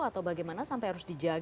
atau bagaimana sampai harus dijaga